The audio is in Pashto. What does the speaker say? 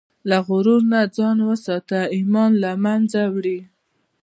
له غرور نه ځان وساته، ایمان له منځه وړي.